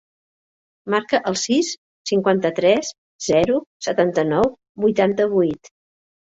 Marca el sis, cinquanta-tres, zero, setanta-nou, vuitanta-vuit.